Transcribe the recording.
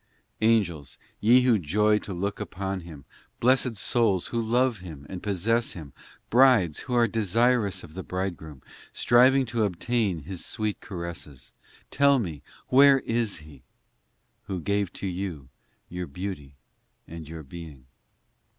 ii Angels, ye who joy to look upon Him, Blessed souls who love Him and possess Him, Brides, who are desirous of the Bridegroom, Striving to obtain His sweet caresses Tell me, where is He Who gave to you your beauty and your being